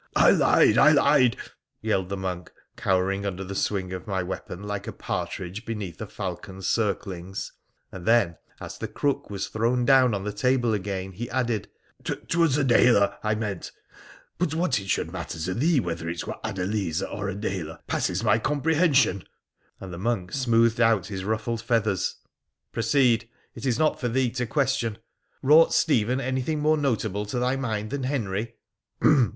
' I lied ! I lied !' yelled the monk, cowering under the swing of my weapon like a partridge beneath a falcon's circlings, and then, as the crook was thrown down on the table again, he added ;' 'Twas Adela, I meant ; but what it should matter to thee whether it were Adeliza or Adela passes my comprehension,' and the monk smoothed out his ruffled feathers. ' Proceed ! It is not for thee to question. Wrought gtephen anything more notable to thy mind than Henry